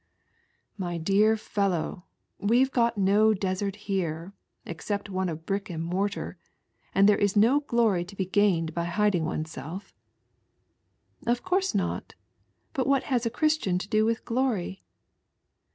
" My dear fellow, we've got no desert here, except i of brick and mortar, and there ia no glory to be jied by hiding oneself," " Of eonrae not. But what baa a Christian to do KMitb glory?